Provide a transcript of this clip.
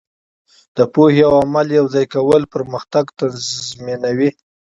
د پوهې او عمل یوځای کول پرمختګ تضمینوي.